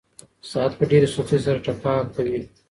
ساعت په ډېره سستۍ سره ټکا کوي.